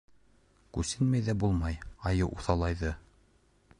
Күсенмәй ҙә булмай: айыу уҫалайҙы.